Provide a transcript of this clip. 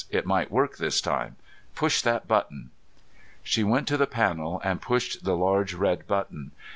It might work this time. Push that button." She went to the panel and pushed the large red button.